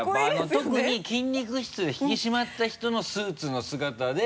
特に筋肉質で引き締まった人のスーツの姿で。